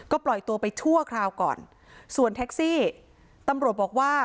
ก็ปล่อยตัวไปชั่วคราวก่อนส่วนแท็กซี่ตำรวจบอกว่า